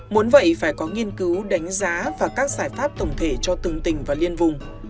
muốn vậy phải có nghiên cứu đánh giá và các giải pháp tổng thể cho từng tỉnh và liên vùng